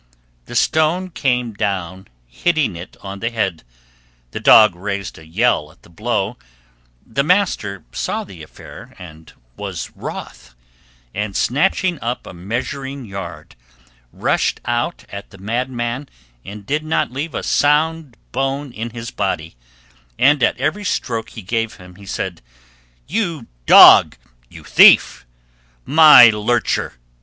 The stone came down hitting it on the head, the dog raised a yell at the blow, the master saw the affair and was wroth, and snatching up a measuring yard rushed out at the madman and did not leave a sound bone in his body, and at every stroke he gave him he said, "You dog, you thief! my lurcher!